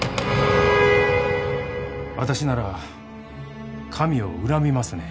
私なら神を恨みますね。